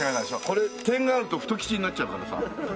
これ点があると「太吉」になっちゃうからさ。